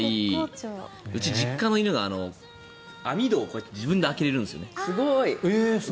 うち、実家の犬が雨戸を自分で開けれるんですよね。